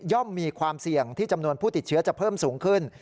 มีความเสี่ยงที่จำนวนผู้ติดเชื้อจะเพิ่มสูงขึ้น